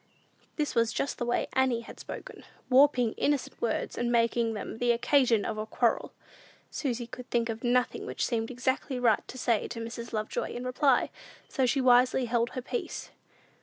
This was just the way Annie had spoken; warping innocent words, and making them the occasion of a quarrel. Susy could think of nothing which seemed exactly right to say to Mrs. Lovejoy in reply; so she wisely held her peace.